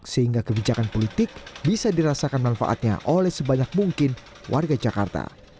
sehingga kebijakan politik bisa dirasakan manfaatnya oleh sebanyak mungkin warga jakarta